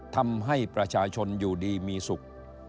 ทำให้ประชาชนอยู่ดีมีสุข